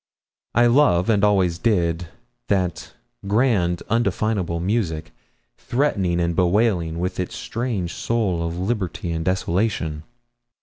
I love, and always did, that grand undefinable music, threatening and bewailing, with its strange soul of liberty and desolation.